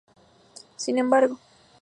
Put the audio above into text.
Sin embargo,